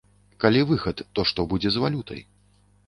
Калі выхад, то што будзе з валютай?